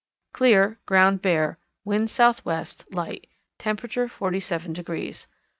Clear; ground bare; wind southwest, light; temperature 47 degrees.